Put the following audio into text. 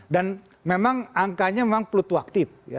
dan memang angkanya memang pelutuaktif